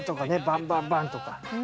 バンバンバンとか。